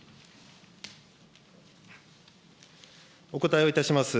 お答えをいたします。